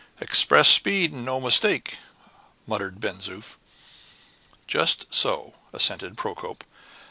"Express speed, and no mistake!" muttered Ben Zoof. "Just so," assented Procope.